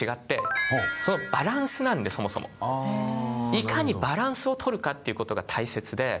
いかにバランスを取るかっていう事が大切で。